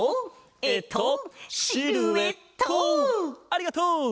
ありがとう！